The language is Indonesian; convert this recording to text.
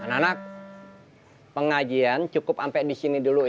anak anak pengajian cukup sampai disini dulu ya